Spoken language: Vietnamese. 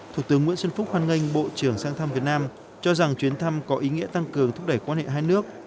thủ tướng nguyễn xuân phúc hoan nghênh bộ trưởng sang thăm việt nam cho rằng chuyến thăm có ý nghĩa tăng cường thúc đẩy quan hệ hai nước